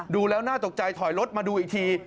ดูแล้วน่าตกใจถอยรถมาดูอีกที